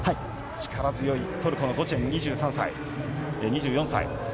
力強いトルコのゴチェン、２４歳。